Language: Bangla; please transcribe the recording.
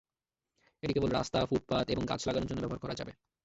এটি কেবল রাস্তা, ফুটপাত এবং গাছ লাগানোর জন্য ব্যবহার করা যাবে।